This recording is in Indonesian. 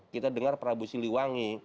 kita dengar prabu siliwangi